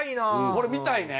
これ見たいね。